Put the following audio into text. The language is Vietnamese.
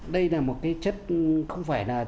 đây là một cái chất không phải là